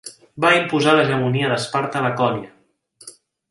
Va imposar l'hegemonia d'Esparta a Lacònia.